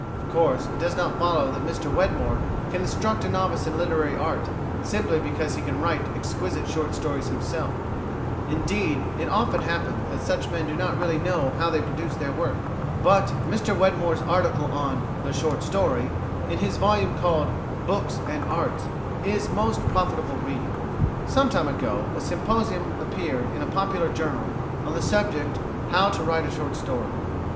Of course, it does not follow that Mr Wedmore can instruct a novice in literary art, simply because he can write exquisite short stories himself; indeed, it often happens that such men do not really know how they produce their work; but Mr Wedmore's article on The Short Story in his volume called "Books and Arts" is most profitable reading. Some time ago a symposium appeared in a popular journal,[160:A] on the subject How to Write a Short Story.